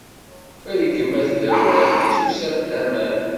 Rregmat d awal, tisusaf d aman.